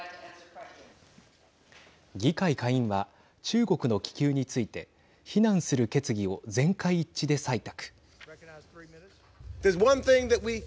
議会下院は中国の気球について非難する決議を全会一致で採択。